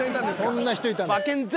そんな人いたんだ。